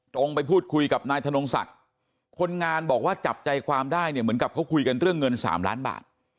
ไปพูดคุยกับนายธนงศักดิ์คนงานบอกว่าจับใจความได้เนี่ยเหมือนกับเขาคุยกันเรื่องเงิน๓ล้านบาท